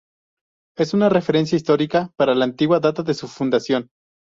Es una referencia histórica por la antigua data de su fundación.